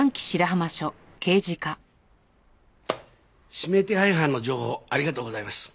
指名手配犯の情報ありがとうございます。